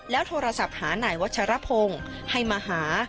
แล้วโทรจับหานายวัชรพงศ์ให้มาหา